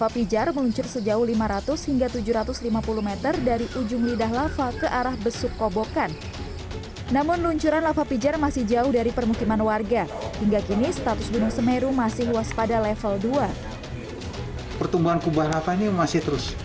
pertumbuhan kubah lava ini masih terus